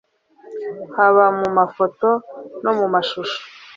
haba mu mafoto no mu mashusho